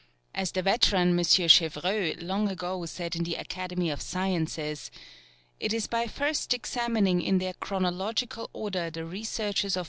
As the veteran M. Chevreuil long ago said in the Academy of Sciences, "It is by first examining in their chronological order the researches of M.